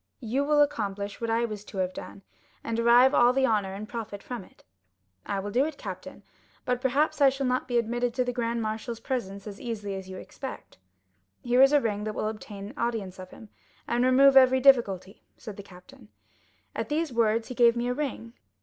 You will accomplish what I was to have done, and derive all the honor and profit from it.' "'I will do it, captain; but perhaps I shall not be admitted to the grand marshal's presence as easily as you expect?' "'Here is a ring that will obtain audience of him, and remove every difficulty,' said the captain. At these words he gave me a ring.